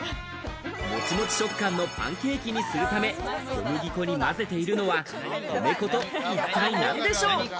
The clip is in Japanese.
モチモチ食感のパンケーキにするため、小麦粉に混ぜているのは米粉と一体何でしょう。